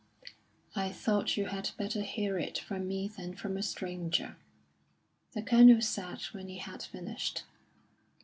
"I thought you had better hear it from me than from a stranger," the Colonel said when he had finished.